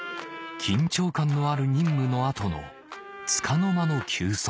緊張感のある任務の後のつかの間の休息